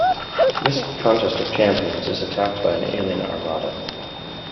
This 'Contest of Champions' is attacked by an alien armada.